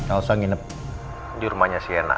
elsa nginep di rumahnya sienna